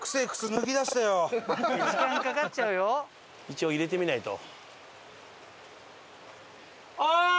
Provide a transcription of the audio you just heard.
一応入れてみないと。